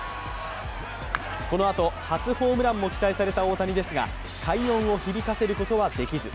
このあと初ホームランも期待された大谷ですが快音を響かせることはできず。